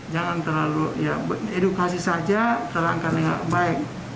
jangan terlalu ya edukasi saja terangkan dengan baik